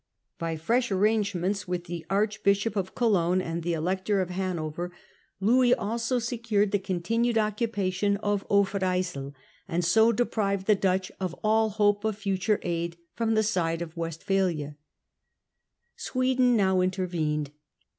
By fresh arrangements with the Archbishop of Cologne and the Elector of Hanover Louis also secured the continued occupation of Overyssel, and so deprived the Dutch of all hope of future aid from the side of Westphalia. Sweden now intervened.